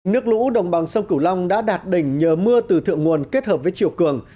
nước lũ đồng bằng sông cửu long đã đạt đỉnh nhờ mưa từ thượng nguồn kết hợp với chiều cường